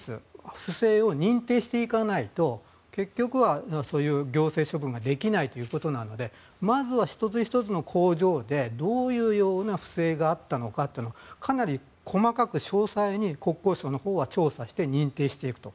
不正を認定していかないと結局はそういう行政処分ができないということなのでまずは１つ１つの工場でどういう不正があったのかということをかなり細かく詳細に国交省のほうは調査して認定していくと。